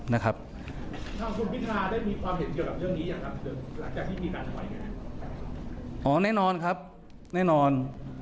อ๋อน่าินอนครับน่าินอน